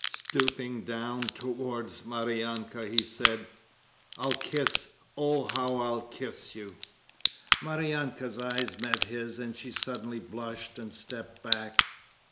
Stooping down towards Maryanka, he said, 'I'll kiss, oh, how I'll kiss you! ...' Maryanka's eyes met his and she suddenly blushed and stepped back.